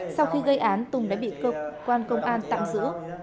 sau khi gây án tùng đã bị cơ quan công an tạm giữ